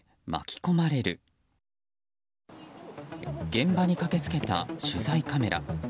現場に駆け付けた取材カメラ。